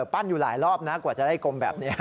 อยู่หลายรอบนะกว่าจะได้กลมแบบนี้